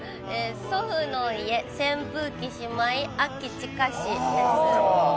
祖父の家扇風機しまい秋近し、です。